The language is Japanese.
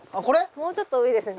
もうちょっと上ですね。